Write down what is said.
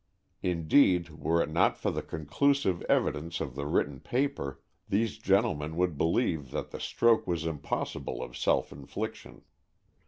Indeed, were it not for the conclusive evidence of the written paper, these gentlemen would believe that the stroke was impossible of self infliction.